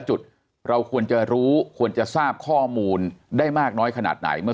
จุดเราควรจะรู้ควรจะทราบข้อมูลได้มากน้อยขนาดไหนเมื่อ